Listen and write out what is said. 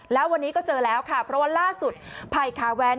แล้ววันนี้ก็เจอแล้วค่ะเพราะว่าล่าสุดภัยคาแว้น